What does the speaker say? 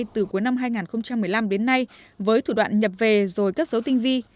từ cuối năm hai nghìn một mươi năm đến nay với thủ đoạn nhập về rồi cất dấu tinh vi